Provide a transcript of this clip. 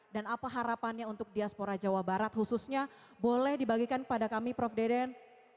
dan apa harapannya untuk diaspora jawa barat khususnya boleh dibagikan kepada kami prof dedan